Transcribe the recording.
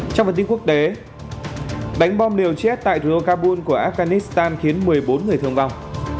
trong phần tin quốc tế đánh bom liều chết tại thủ đô kabul của afghanistan khiến một mươi bốn người thương vong